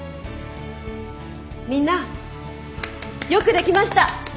みんなよくできました。